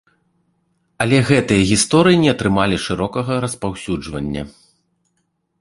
Але гэтыя гісторыі не атрымалі шырокага распаўсюджвання.